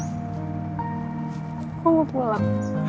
aku mau pulang